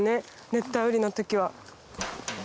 熱帯雨林の時は。